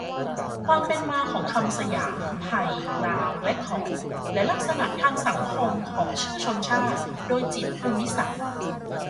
ความเป็นมาของคำสยาม ไทย ลาว และขอม และลักษณะทางสังคมของชื่อชนชาติ. โดย จิตร ภูมิศักดิ์.